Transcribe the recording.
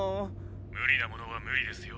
「無理なものは無理ですよ」